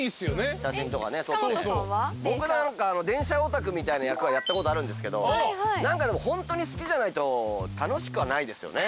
僕電車オタクみたいな役はやったことあるんですけど何かホントに好きじゃないと楽しくはないですよね。